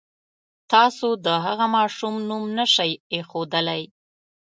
تاسو د هغه ماشوم نوم نه شئ اېښودلی.